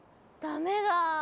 ダメだ。